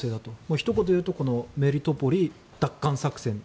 ひと言で言うとメリトポリ奪還作戦。